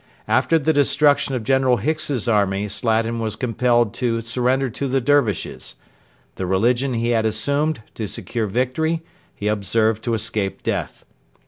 After the destruction of General Hicks's army Slatin was compelled to surrender to the Dervishes. The religion he had assumed to secure victory he observed to escape death.